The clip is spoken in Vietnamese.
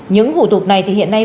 những thủ tục này thì hiện nay